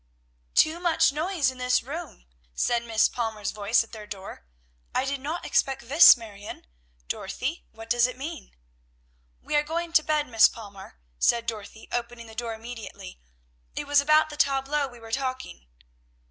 "Too much noise in this room!" said Miss Palmer's voice at their door. "I did not expect this, Marion! Dorothy, what does it mean?" "We are going to bed, Miss Palmer," said Dorothy, opening the door immediately. "It was about the tableaux we were talking."